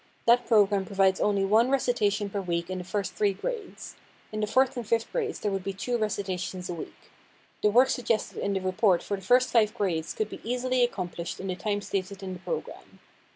That program provides only one recitation per week in the first three grades. In the fourth and fifth grades there would be two recitations a week. The work suggested in the report for the first five grades could be easily accomplished in the time stated in the program.